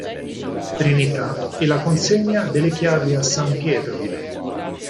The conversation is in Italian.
Trinità" e la "Consegna delle chiavi a S. Pietro".